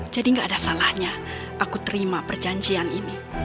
jadi gak ada salahnya aku terima perjanjian ini